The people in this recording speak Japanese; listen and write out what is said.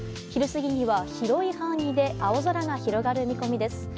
昼過ぎには広い範囲で青空が広がる見込みです。